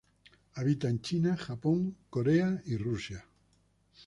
Habita en China, Japón, Corea y Rusia.